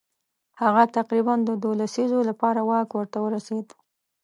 هغه تقریبا دوو لسیزو لپاره واک ورته ورسېد.